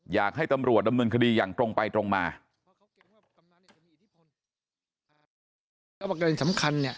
อยากให้ตำรวจดำเนินคดีอย่างตรงไปตรงมา